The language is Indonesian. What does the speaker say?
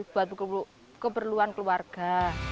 buat keperluan keluarga